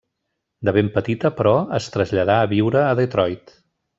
De ben petita, però, es traslladà a viure a Detroit.